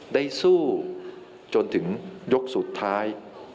ได้สู้จนถึงยกสุดท้าย